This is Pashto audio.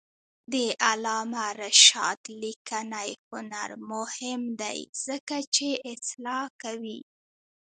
د علامه رشاد لیکنی هنر مهم دی ځکه چې اصلاح کوي.